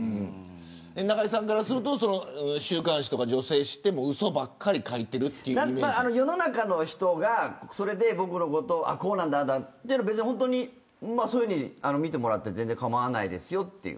中居さんからすると週刊誌や女性誌は世の中の人がそれで僕のことをこうなんだというのは別にそういうふうに見てもらって全然構わないですよっていう。